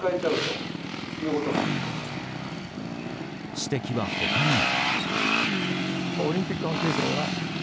指摘は他にも。